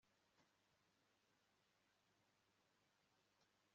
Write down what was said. nimutyo dukoreshumwanya twahawe